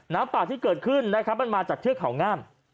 น้ำป่าที่เกิดขึ้นนะครับมันมาจากเทือกเขางาม